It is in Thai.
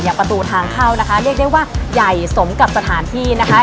ประตูทางเข้านะคะเรียกได้ว่าใหญ่สมกับสถานที่นะคะ